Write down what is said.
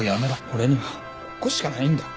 俺にはここしかないんだ。